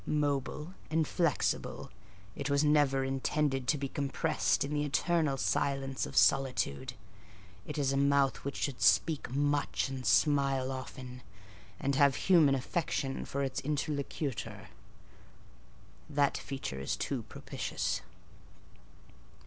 Mobile and flexible, it was never intended to be compressed in the eternal silence of solitude: it is a mouth which should speak much and smile often, and have human affection for its interlocutor. That feature too is propitious.